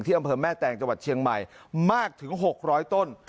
อำเภอแม่แตงจังหวัดเชียงใหม่มากถึง๖๐๐ต้น